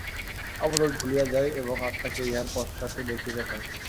আবরণ খুলিয়া যায় এবং আত্মাকে ইহার পশ্চাতে দেখিতে পাই।